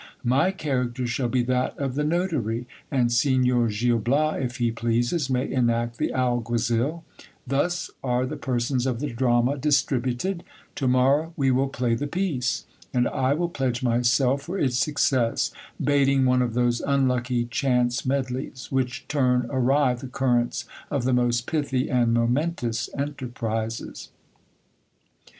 My character shall be that of the notary ; and Signor Gil Bias, if he pleases, may enact the alguaziL Thus are the per sons of the drama distributed : to morrow we will play the piece, and I will pledge myself for its success, bating one of those unlucky chance medleys, which turn awry the currents of the most pithy and momentous enterprises.